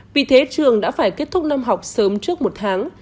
vì thế trường đã phải kết thúc năm học sớm trước một tháng